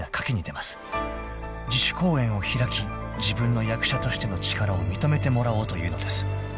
［自主公演を開き自分の役者としての力を認めてもらおうというのです］